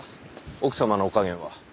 奥様のお加減は。